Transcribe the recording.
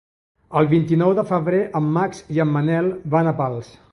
El vint-i-nou de febrer en Max i en Manel van a Pals.